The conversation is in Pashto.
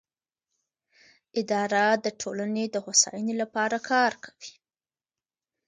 اداره د ټولنې د هوساینې لپاره کار کوي.